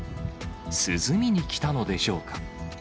涼みに来たのでしょうか。